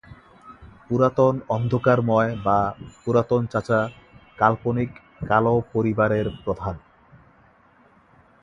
"পুরাতন অন্ধকারময়" বা "পুরাতন চাচা" কাল্পনিক কালো পরিবারের প্রধান।